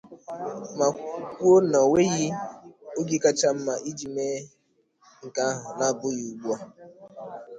ma kwuo na o nweghị oge kacha mma iji mee nke ahụ n'abụghị ugbua